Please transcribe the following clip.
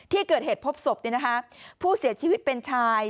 ที่เกิดเหตุพบศพผู้เสียชีวิตเป็นชาย